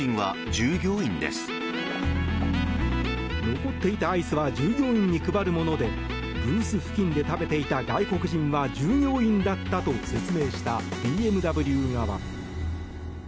残っていたアイスは従業員に配るものでブース付近で食べていた外国人は従業員だったと説明したＢＭＷ側。